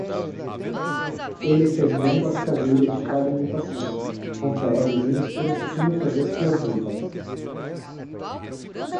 Ele fez bombas caseiras de fragmentação, com pregos e misturas químicas explosivas